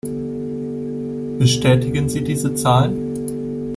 Bestätigen Sie diese Zahlen?